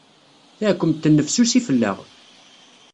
Taɛkemt tennesfsusi fell-aɣ.